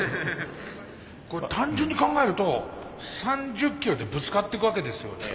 これ単純に考えると３０キロでぶつかってくわけですよね。